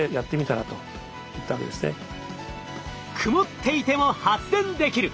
曇っていても発電できる！